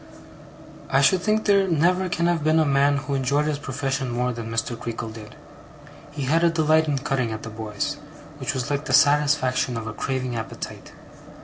I should think there never can have been a man who enjoyed his profession more than Mr. Creakle did. He had a delight in cutting at the boys, which was like the satisfaction of a craving appetite.